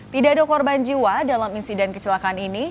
tidak ada korban jiwa dalam insiden kecelakaan ini